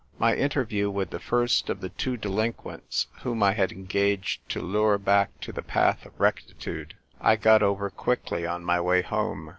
My interview with the first of the two delinquents whom I had engaged to lure back to the path of rectitude I got over quickly on my way home.